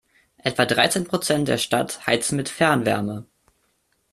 Etwa dreizehn Prozent der Stadt heizen mit Fernwärme.